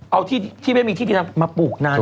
เอาที่ไม่มีที่ดินมาปลูกนาน